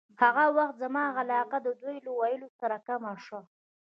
هغه وخت زما علاقه د دوی له ویلو سره کمه شوه.